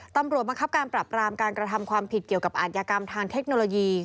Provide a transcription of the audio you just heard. บังคับการปรับรามการกระทำความผิดเกี่ยวกับอาธิกรรมทางเทคโนโลยี